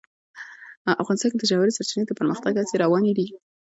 افغانستان کې د ژورې سرچینې د پرمختګ هڅې روانې دي.